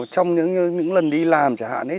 trong những lần đi làm chẳng hạn ấy